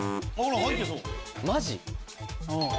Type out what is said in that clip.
マジ？